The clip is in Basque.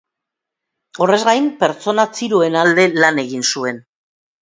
Horrez gain, pertsona txiroen alde lan egin zuen.